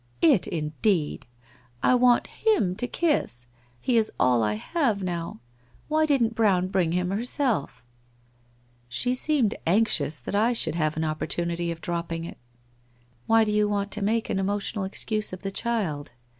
It indeed ! I want him to kiss. He is all I have now. Why didn't Brown bring him herself ?'' She seemed anxious that I should have an early op portunity of dropping it. Why do you want to make an emotional excuse of the child?